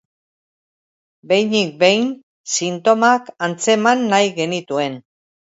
Behinik behin sintomak antzeman nahi genituen.